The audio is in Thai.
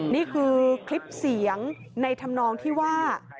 นี่คือคลิปเสียงในธรรมนองที่ว่า